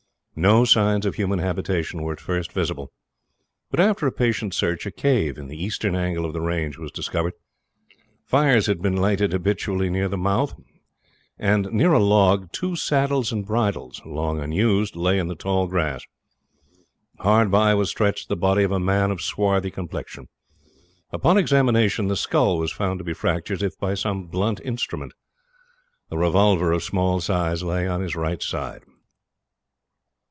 No signs of human habitation were at first visible, but after a patient search a cave in the eastern angle of the range was discovered. Fires had been lighted habitually near the mouth, and near a log two saddles and bridles long unused lay in the tall grass. Hard by was stretched the body of a man of swarthy complexion. Upon examination the skull was found to be fractured, as if by some blunt instrument. A revolver of small size lay on his right side.